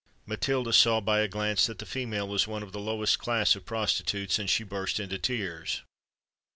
Matilda saw by a glance that the female was one of the lowest class of prostitutes; and she burst into tears.